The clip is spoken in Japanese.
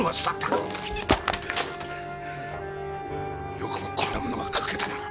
よくもこんなものが書けたな！